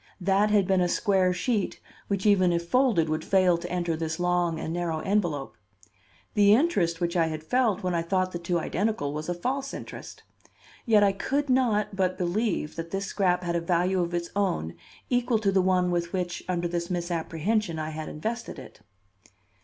That had been a square sheet, which even if folded would fail to enter this long and narrow envelope. The interest which I had felt when I thought the two identical was a false interest. Yet I could not but believe that this scrap had a value of its own equal to the one with which, under this misapprehension, I had invested it.